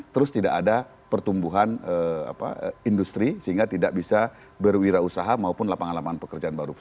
terus tidak ada pertumbuhan industri sehingga tidak bisa berwirausaha maupun lapangan lapangan pekerjaan baru